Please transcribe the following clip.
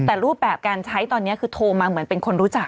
แต่รูปแบบการใช้ตอนนี้คือโทรมาเหมือนเป็นคนรู้จัก